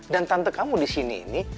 dan tante kamu di sini ini